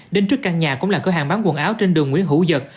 đến trước căn nhà cũng là cửa hàng bán quần áo trên đường nguyễn hữu giật